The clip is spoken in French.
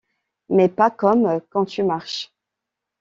Mais pas comme quand tu marches.